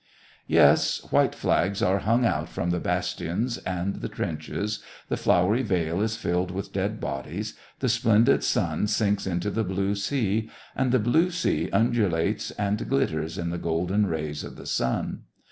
Yes, white flags are hung out from the bastion and the trenches, the flowery vale is filled with dead bodies, the splendid sun sinks into the blue sea, and the blue sea undulates and glitters in the golden rays of the sun.